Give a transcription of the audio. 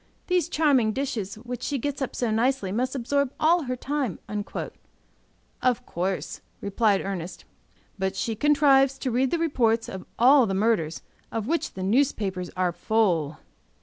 These charming dishes, which she gets up so nicely, must absorb all her time." "Of course," replied Ernest. "But she contrives to read the reports of all the murders, of which the newspapers are full."